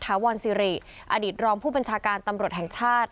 อาริดรองผู้บัญชากาลตำรวจแห่งชาติ